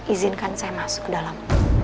izinkan saya masuk ke dalam